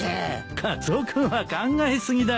カツオ君は考え過ぎだよ。